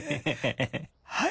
はい！